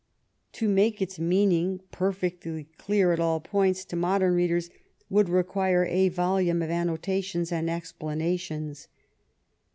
To make its meaning perfectly clear at all points to modern readers would require a volume of anno tations and explanations.